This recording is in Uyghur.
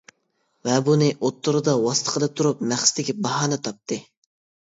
ۋە بۇنى ئوتتۇرىدا ۋاسىتە قىلىپ تۇرۇپ مەقسىتىگە باھانە تاپتى.